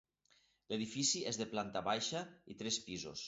L'edifici és de planta baixa i tres pisos.